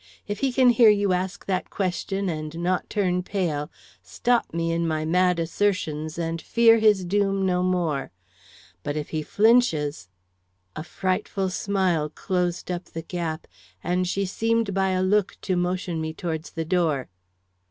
"If he can hear you ask that question and not turn pale, stop me in my mad assertions, and fear his doom no more. But if he flinches " A frightful smile closed up the gap, and she seemed by a look to motion me towards the door.